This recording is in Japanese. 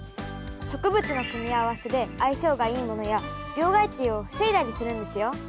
植物の組み合わせで相性がいいものや病害虫を防いだりするんですよ。